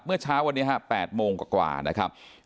เมื่อเช้าวันนี้ฮะ๘โมงกว่านะครับ